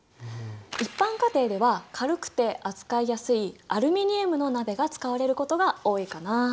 一般家庭では軽くて扱いやすいアルミニウムの鍋が使われることが多いかな。